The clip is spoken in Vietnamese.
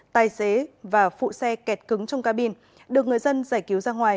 tài xế và phụ xe kẹt cứng trong cabin được người dân giải cứu ra ngoài